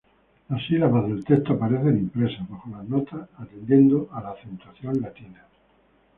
Las sílabas del texto aparecen impresas bajo las notas atendiendo a la acentuación latina.